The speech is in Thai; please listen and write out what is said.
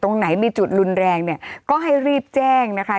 ตรงไหนมีจุดรุนแรงเนี่ยก็ให้รีบแจ้งนะคะ